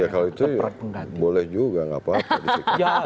ya kalau itu boleh juga nggak apa apa disiplin